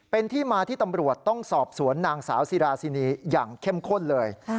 เป็นที่มาที่ตำรวจต้องสอบสวนนางสาวซีราซินีอย่างเข้มข้นเลย